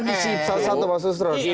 bisa menjelaskan pak suster